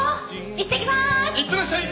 いってらっしゃい！